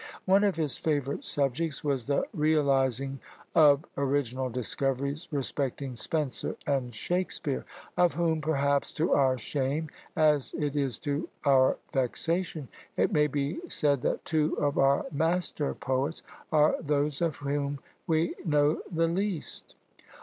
One of his favourite subjects was the realising of original discoveries respecting Spenser and Shakspeare; of whom, perhaps, to our shame, as it is to our vexation, it may be said that two of our master poets are those of whom we know the least!